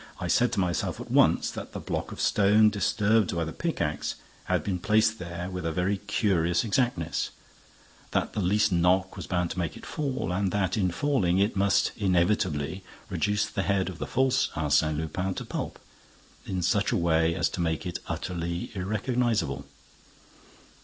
I said to myself at once that the block of stone disturbed by the pickaxe had been placed there with a very curious exactness, that the least knock was bound to make it fall and that, in falling, it must inevitably reduce the head of the false Arsène Lupin to pulp, in such a way as to make it utterly irrecognizable.